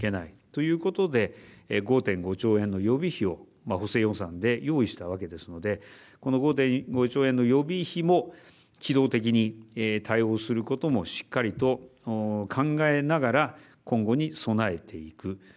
ということで５．５兆円予備費を補正予算で用意したわけですのでこの５．５兆円予備費も機動的に対応することもしっかりと考えながら今後に備えていく。